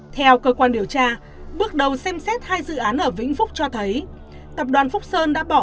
theo cơ quan điều tra bước đầu xem xét hai dự án ở vĩnh phúc cho thấy tập đoàn phúc sơn đã bỏ